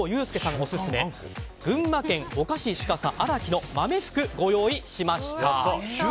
オススメ群馬県、御菓子司あら木の豆福をご用意しました。